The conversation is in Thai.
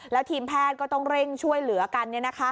แล้วทีมแพทย์ก็ต้องเร่งช่วยเหลือกัน